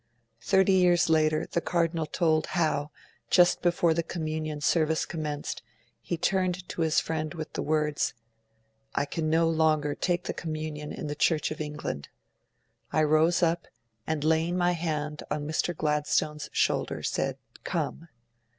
Thirty years later the Cardinal told how, just before the Communion service commenced, he turned to his friends with the words: 'I can no longer take the Communion in the Church of England.' 'I rose up, and laying my hand on Mr. Gladstone's shoulder, said "Come".